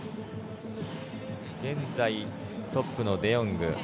現在トップのデ・ヨング。